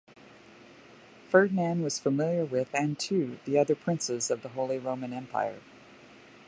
Ferdinand was familiar with, and to, the other princes of the Holy Roman Empire.